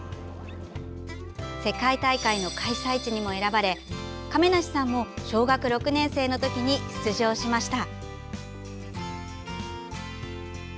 世界大会の開催地にも選ばれ亀梨さんも小学６年生の時に出場しました。